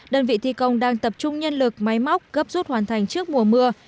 đơn vị thi công đang tập trung nhân lực máy móc gấp rút hoàn thành trước mùa mưa